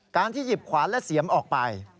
การที่หยิบขวานและเสียมออกไป